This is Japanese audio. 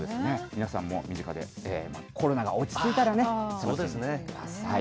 皆さんも身近で、コロナが落ち着いたらね、行ってみてください。